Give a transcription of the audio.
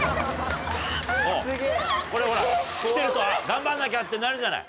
うんこれほら着てると頑張んなきゃってなるじゃない。